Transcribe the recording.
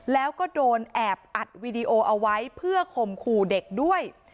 แล้วก็โดนแอบอัดวีดีโอเอาไว้เพื่อข่มขู่เด็กด้วย